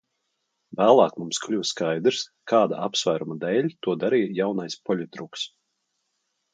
Vēlāk mums kļuva skaidrs, kāda apsvēruma dēļ to darīja jaunais poļitruks.